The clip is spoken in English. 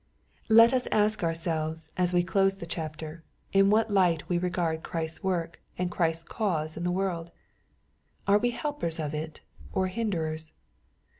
Let us ask ourselves, as we close the chapter, in what light we regard Christ's work and Christ's cause in the world ? Are we helpers of it, or hinderers